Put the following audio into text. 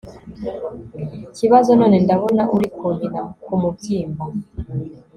kibazo none ndabona uri kunkina kumubyimba